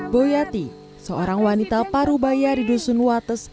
boyati seorang wanita parubaya di dusun wates